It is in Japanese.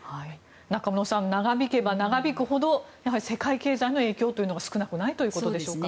中室さん長引けば長引くほど世界経済への影響というのが少なくないということでしょうか。